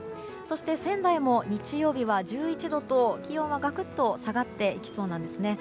そして、仙台も日曜日は１１度と気温がガクッと下がっていきそうです。